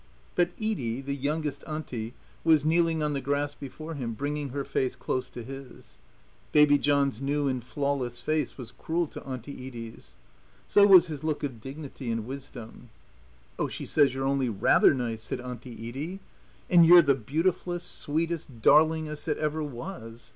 But Edie, the youngest Auntie, was kneeling on the grass before him, bringing her face close to his. Baby John's new and flawless face was cruel to Auntie Edie's. So was his look of dignity and wisdom. "Oh, she says you're only rather nice," said Auntie Edie. "And you're the beautifullest, sweetest, darlingest that ever was.